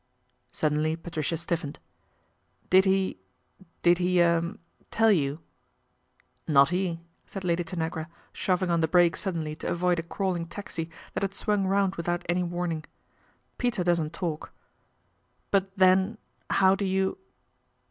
: Suddenly Patricia stiffened. " Did he did he 2 er tell you ?"" Not he," said Lady Tanagra, shoving on the ! break suddenly to avoid a crawling taxi that had t swung round without any warning. " Peter i doesn't talk." e " But then, how do you